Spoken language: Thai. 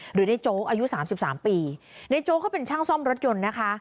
หรือในโจ๊กอายุสามสิบสามปีในโจ๊กเขาเป็นช่างซ่อมรถยนต์นะคะ